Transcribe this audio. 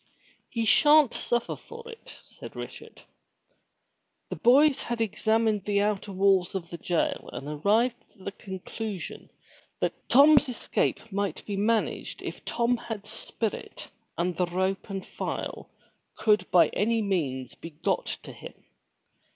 "He sha'n't suffer for it," said Richard. The boys had examined the outer walls of the jail and arrived at the conclusion that Tom's escape might be managed if Tom had spirit and the rope and file could by any means be got to him.